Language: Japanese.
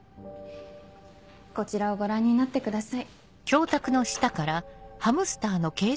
こちらをご覧になってください。